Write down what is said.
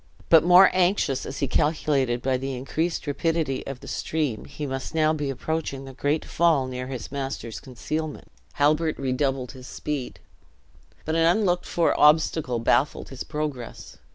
But more anxious, as he calculated by the increased rapidity of the stream he must now be approaching the great fall near his master's concealment, Halbert redoubled his speed. But an unlooked for obstacle baffled his progress.